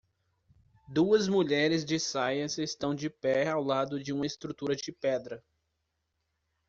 Duas mulheres de saias estão de pé ao lado de uma estrutura de pedra.